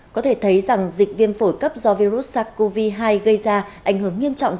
có thể thấy rằng dịch viêm phổi cấp do virus sars cov hai gây ra ảnh hưởng nghiêm trọng tới nền tảng